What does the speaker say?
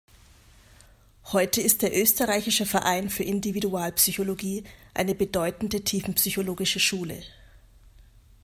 Heute ist der „Österreichische Verein für Individualpsychologie“ eine bedeutende tiefenpsychologische Schule.